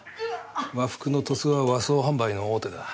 「和服の鳥栖」は和装販売の大手だ。